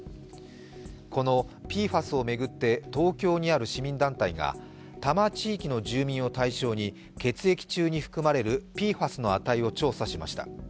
このＰＦＡＳを巡って、東京にある市民団体が多摩地域の住民を対象に血液中に含まれるＰＦＡＳの値を調査しました。